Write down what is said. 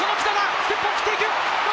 ステップを切っていく！